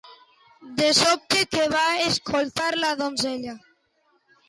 De sobte, què va escoltar la donzella?